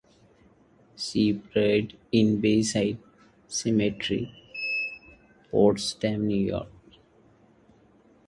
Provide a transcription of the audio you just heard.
She is buried in Bayside Cemetery at Potsdam, New York.